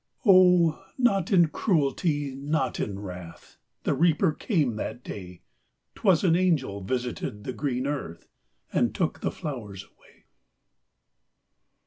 Oh, not in cruelty, not in wrath, The Reaper came that day;'T was an angel visited the green earth, And took the flowers away.